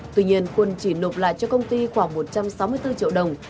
tuy nhiên quân chỉ nộp lại cho công ty khoảng một trăm sáu mươi bốn triệu đồng